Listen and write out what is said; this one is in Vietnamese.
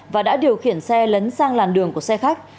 và đã điều khiển xe lấn sang làn đường của xe khách